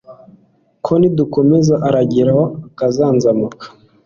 ko nidukomeza arageraho akazanzamuka